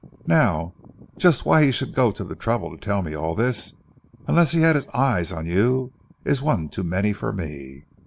Now, just why he should go to the trouble to tell me all this, unless he had his eye on you, is one too many for me.